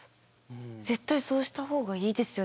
絶対そうした方がいいですよね。